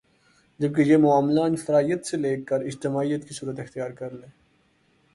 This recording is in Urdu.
جبکہ یہ معاملہ انفراد عیت سے ل کر اجتماع صورت اختیار کر لے